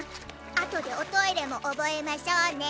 あとでおトイレもおぼえましょうね。